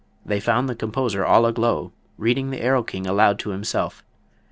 They found the composer all aglow, reading the "Erlking" aloud to himself.